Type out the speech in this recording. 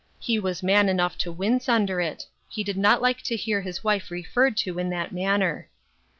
He was man enough to wince under it ; he did not like to hear his wife referred to in that manner.